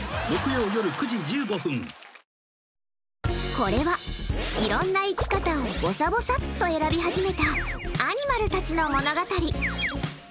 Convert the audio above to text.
これは、いろんな生き方をぼさぼさっと選び始めたアニマルたちの物語。